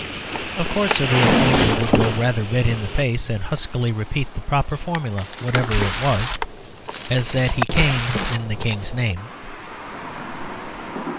Of course, a real soldier would go rather red in the face and huskily repeat the proper formula, whatever it was, as that he came in the King's name.